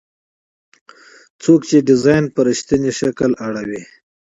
څوک چې ډیزاین په رښتیني شکل اړوي.